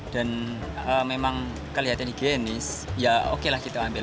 dan memang kelihatan higienis ya oke lah kita ambil